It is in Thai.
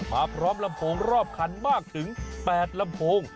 พร้อมลำโพงรอบคันมากถึง๘ลำโพง